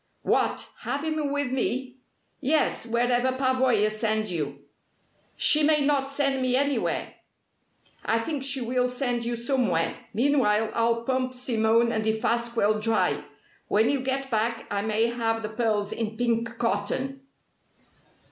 "What, have him with me?" "Yes, wherever Pavoya sends you." "She may not send me anywhere." "I think she will send you somewhere. Meanwhile, I'll pump Simone and Defasquelle dry. When you get back I may have the pearls in pink cotton!"